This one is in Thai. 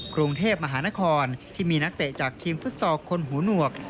กรุงเทพมหานครที่มีนักเตะจากทีมฟุตซอลคนหูหนวก